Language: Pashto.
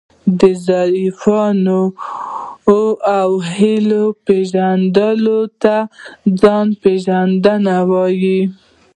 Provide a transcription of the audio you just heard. دا د ضعفونو او هیلو پېژندلو ته ځان پېژندنه وایي.